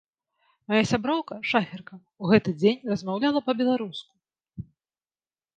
Мая сяброўка, шаферка, у гэты дзень размаўляла па-беларуску.